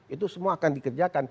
itu semua akan dikerjakan